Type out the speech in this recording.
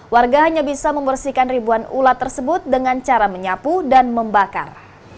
warga hanya bisa membersihkan ribuan ulat tersebut dengan cara menyapu dan membakar